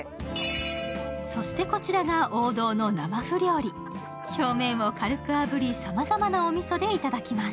そして、こちらが王道の生麩料理表面を軽くあぶりさまざまなおみそでいただきます。